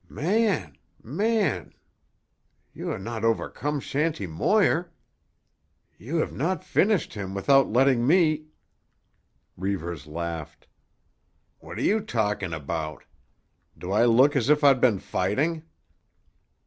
"Man—man—you ha' not overcome Shanty Moir? You have not finished him without letting me——" Reivers laughed. "What are you talking about? Do I look as if I'd been fighting?"